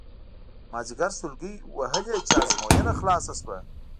مازیګر سلګۍ وهلې چې ازموینه خلاصه شوه.